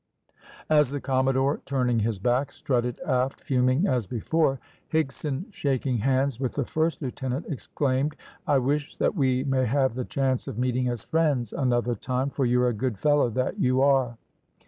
As the commodore, turning his back, strutted aft, fuming as before, Higson, shaking hands with the first lieutenant, exclaimed "I wish that we may have the chance of meeting as friends another time; for you're a good fellow, that you are."